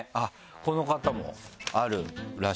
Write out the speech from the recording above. この方もあるらしいです。